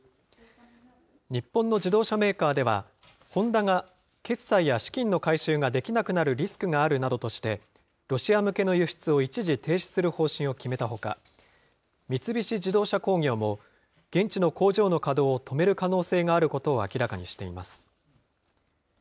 日本の自動車メーカーでは、ホンダが、決済や資金の回収ができなくなるリスクがあるなどとして、ロシア向けの輸出を一時停止する方針を決めたほか、三菱自動車工業も、現地の工場の稼働を止める可能性があることを明らかにしています。